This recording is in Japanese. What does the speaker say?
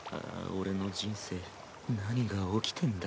俺の人生何が起きてんだ？